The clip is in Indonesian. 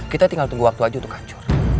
kita tinggal tunggu waktu aja untuk hancur